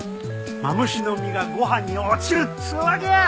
マムシの身がご飯に落ちるっつうわけや！